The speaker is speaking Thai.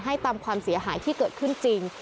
ตามความเสียหายที่เกิดขึ้นจริง